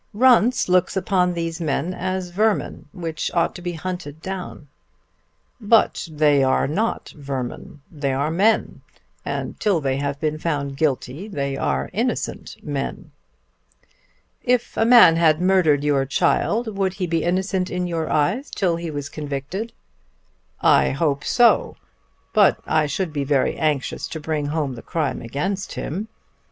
"Runce looks upon these men as vermin which ought to be hunted down." "But they are not vermin. They are men; and till they have been found guilty they are innocent men." "If a man had murdered your child, would he be innocent in your eyes till he was convicted?" "I hope so; but I should be very anxious to bring home the crime against him.